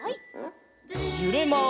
ゆれます。